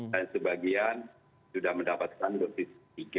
dan sebagian sudah mendapatkan dua dosis tiga